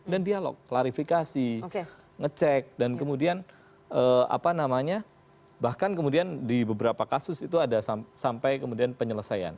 dan dialog klarifikasi ngecek dan kemudian bahkan kemudian di beberapa kasus itu ada sampai kemudian penyelesaian